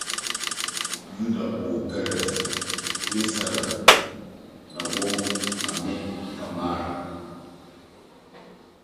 Red Bank was originally known as Pleasant Hill.